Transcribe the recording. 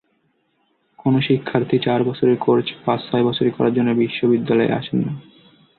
কোনো শিক্ষার্থী চার বছরের কোর্স পাঁচ-ছয় বছরে করার জন্য বিশ্ববিদ্যালয়ে আসেন না।